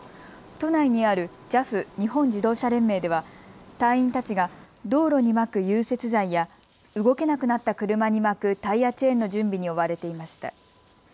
都内にあるＪＡＦ・日本自動車連盟では隊員たちが道路にまく融雪剤や動けなくなった車に巻くタイヤチェーンの準備に追われていました。